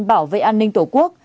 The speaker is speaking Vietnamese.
bảo vệ an ninh tổ quốc